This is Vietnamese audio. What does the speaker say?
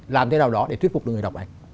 làm thế nào đó để thuyết phục được người đọc anh